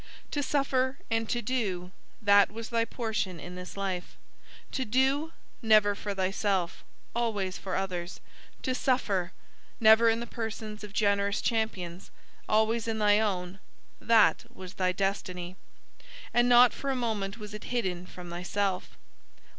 To suffer and to do, that was thy portion in this life; to do never for thyself, always for others; to suffer never in the persons of generous champions, always in thy own that was thy destiny; and not for a moment was it hidden from thyself.